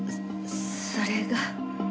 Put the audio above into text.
それが。